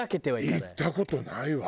行った事ないわ。